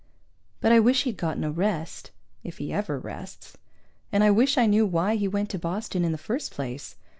But I wish he'd gotten a rest, if he ever rests! And I wish I knew why he went to Boston in the first place.